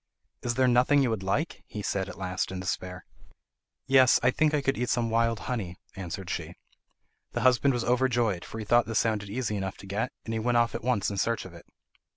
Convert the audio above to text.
"Is there nothing you would like?" he said at last in despair. "Yes, I think I could eat some wild honey," answered she. The husband was overjoyed, for he thought this sounded easy enough to get, and he went off at once in search of it.